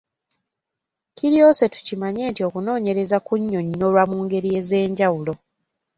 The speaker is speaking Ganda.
Kiryose tukimanye nti okunoonyereza kunnyonnyolwa mu ngeri ez’enjawulo.